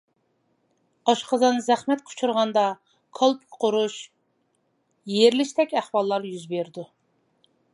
ئاشقازان زەخمەتكە ئۇچرىغاندا، كالپۇك قۇرۇش، يېرىلىشتەك ئەھۋاللار يۈز بېرىدۇ.